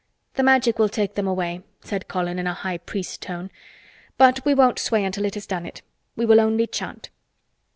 "The Magic will take them away," said Colin in a High Priest tone, "but we won't sway until it has done it. We will only chant."